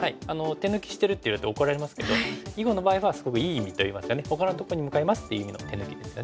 手抜きしてるっていうと怒られますけど囲碁の場合はすごくいい意味といいますか「ほかのところに向かいます」っていう意味の手抜きですよね。